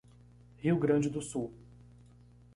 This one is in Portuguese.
Rio Grande do Sul